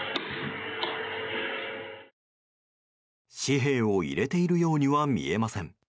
紙幣を入れているようには見えません。